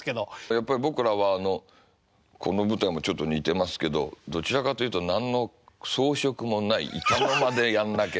やっぱり僕らはあのこの舞台もちょっと似てますけどどちらかというと何の装飾もない板の間でやんなきゃいけない。